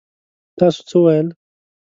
تاسو څه ويل؟